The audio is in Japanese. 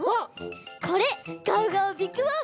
これガオガオビッグフォーク。